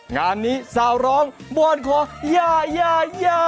งานนี้สาวร้องบวนขอย่าย่า